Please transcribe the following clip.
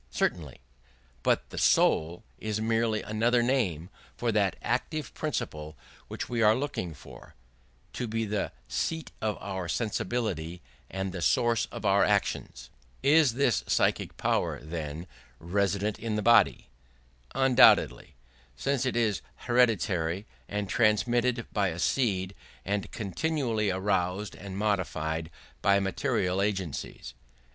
Certainly: but the soul is merely another name for that active principle which we are looking for, to be the seat of our sensibility and the source of our actions. Is this psychic power, then, resident in the body? Undoubtedly; since it is hereditary and transmitted by a seed, and continually aroused and modified by material agencies.